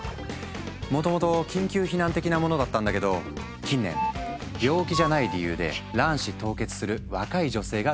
もともと緊急避難的なものだったんだけど近年病気じゃない理由で卵子凍結する若い女性が増加している。